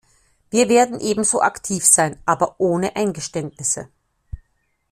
Wir werden ebenso aktiv sein, aber ohne Eingeständnisse.